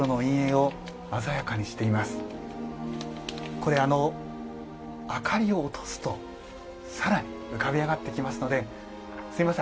これ明かりを落とすと更に浮かび上がってきますのですいません